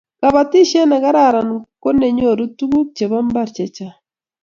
kabatishiet ne kararan ko ne nyorun tuguk chebo mbar chechang